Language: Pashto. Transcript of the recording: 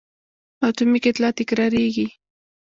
اتومي کتله تکرارېږي.